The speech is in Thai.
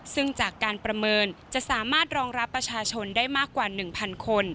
ซึ่งจากการประเมินจะสามารถรองรับประชาชนได้มากกว่า๑๐๐คน